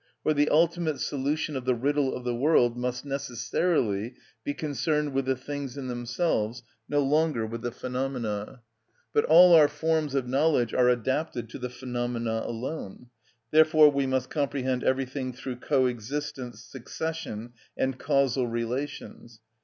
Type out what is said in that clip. For the ultimate solution of the riddle of the world must necessarily be concerned with the things in themselves, no longer with the phenomena. But all our forms of knowledge are adapted to the phenomena alone; therefore we must comprehend everything through coexistence, succession, and causal relations.